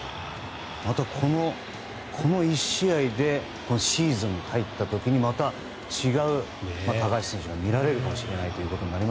この１試合でシーズンに入った時にまた違う高橋選手が見られるかもしれない。